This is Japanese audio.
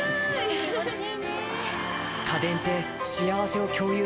気持ちいい。